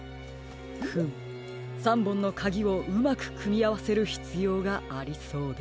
フム３ぼんのかぎをうまくくみあわせるひつようがありそうです。